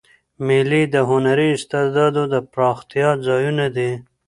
مېلې د هنري استعدادو د پراختیا ځایونه دي.